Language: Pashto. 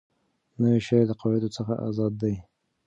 نوی شعر د قواعدو څخه آزاده دی.